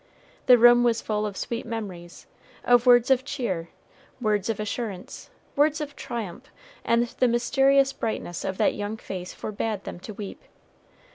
The room was full of sweet memories, of words of cheer, words of assurance, words of triumph, and the mysterious brightness of that young face forbade them to weep.